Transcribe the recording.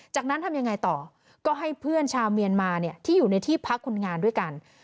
จากนั้นทำยังไงต่อก็ให้เพื่อนชาวเมียนมาเนี่ยที่อยู่ในที่พักคนงานด้วยกัน